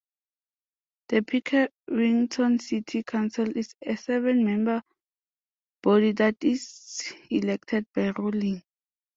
The Pickerington city council is a seven-member body that is elected by rolling.